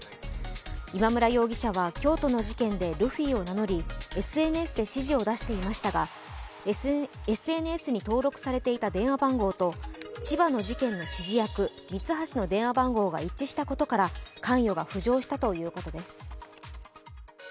今村容疑者は京都の事件でルフィを名乗りＳＮＳで指示を出していましたがＳＮＳに登録されていた電話番号と千葉の事件の指示役ミツハシの電話番号が一致したことから関与が浮上したということです。